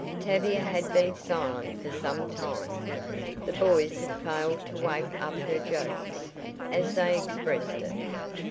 Tavia had been silent for some time. The boys had failed to "wake up her jokes," as they expressed it.